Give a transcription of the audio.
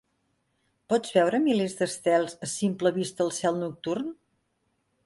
Pots veure milers d'estels a simple vista al cel nocturn?